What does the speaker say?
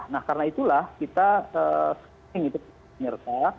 nah karena itulah kita penyerta